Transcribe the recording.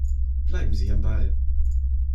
Bleiben Sie am Ball!